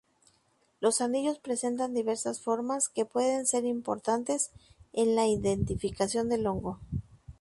Los anillos presentan diversas formas que pueden ser importantes en la identificación del hongo.